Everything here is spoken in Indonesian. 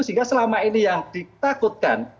sehingga selama ini yang ditakutkan